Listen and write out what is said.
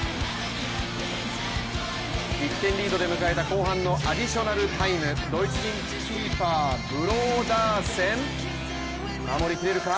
１点リードで迎えた後半のアディショナルタイム、ドイツ人キーパーブローダーセン、守り切れるか。